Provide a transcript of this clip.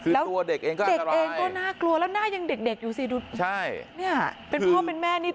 คือตัวเด็กเองก็อัตรายแล้วหน้ายังเด็กอยู่สิดูเป็นพ่อเป็นแม่นิด